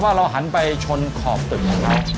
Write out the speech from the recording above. เราหันไปชนขอบตึกของเรา